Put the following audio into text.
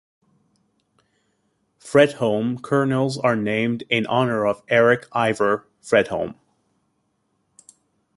Fredholm kernels are named in honour of Erik Ivar Fredholm.